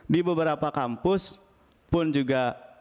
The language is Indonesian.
di beberapa kampus pun juga